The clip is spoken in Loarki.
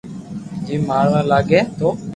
جيم ماروا لاگي تو